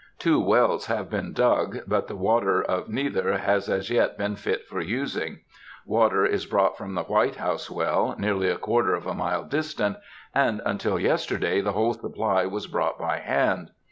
Two wells have been dug, but the water of neither has as yet been fit for using. Water is brought from the White House well, nearly a quarter of a mile distant, and until yesterday the whole supply was brought by hand.